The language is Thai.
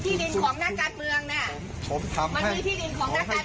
เดินหนีประชาชนได้ไงวันนี้ที่ท่านเป็นประชาชนเหมือนกันนะ